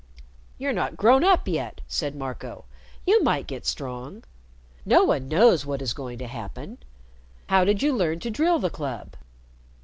"You've not grown up yet!" said Marco. "You might get strong." No one knows what is going to happen. How did you learn to drill the club?"